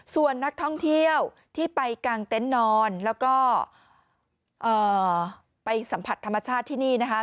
ส่วนนักท่องเที่ยวที่ไปกางเต็นต์นอนแล้วก็ไปสัมผัสธรรมชาติที่นี่นะคะ